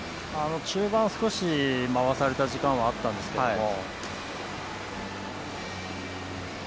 中盤少し回された時間はあったんですけども。